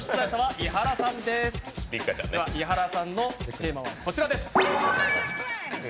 伊原さんのテーマはこちらです。